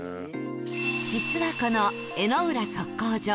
実はこの江之浦測候所